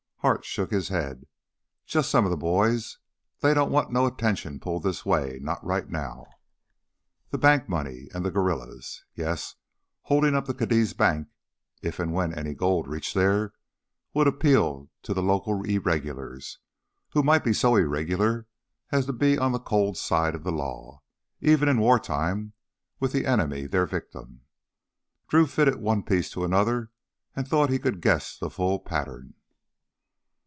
Hart shook his head. "Just some of the boys; they don't want no attention pulled this way, not right now." The bank money and the guerrillas. Yes, holding up the Cadiz bank if and when any gold reached there, would appeal to the local irregulars, who might be so irregular as to be on the cold side of the law, even in wartime with the enemy their victim. Drew fitted one piece to another and thought he could guess the full pattern.